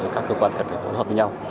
các cơ quan cần phải hợp với nhau